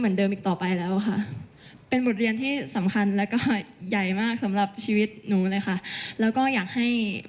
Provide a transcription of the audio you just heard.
มันไม่เหมือนเดิมอีกต่อไปแล้วค่ะ